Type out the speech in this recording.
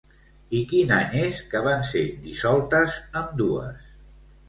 I quin any és que van ser dissoltes ambdues?